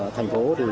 thành phố thì